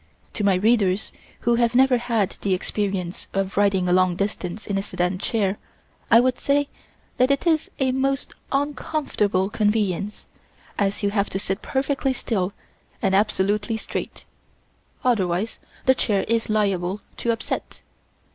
To my readers who have never had the experience of riding a long distance in a sedan chair I would say that it is a most uncomfortable conveyance, as you have to sit perfectly still and absolutely straight, otherwise the chair is liable to upset.